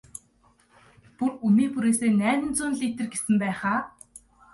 Бүр үнээ бүрээсээ найман зуун литр гэсэн байх аа?